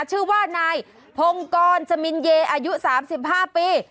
ชื่อว่านายพงกรสมินเยอายุ๓๕ปี